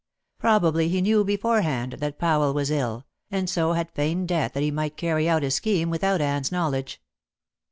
Probably he knew beforehand that Powell was ill, and so had feigned death that he might carry out his scheme without Anne's knowledge.